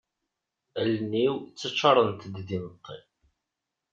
Allen-iw ttaččarent-d d immeṭṭi.